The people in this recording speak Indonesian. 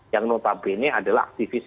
yang notabene adalah aktivis